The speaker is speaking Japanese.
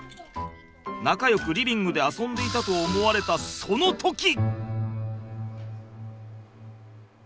仲よくリビングで遊んでいたと思われたその時。